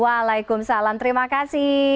waalaikumsalam terima kasih